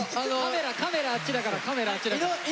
カメラあっちだからカメラあっちだから。